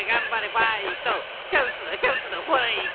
チャンスだチャンスだファイト！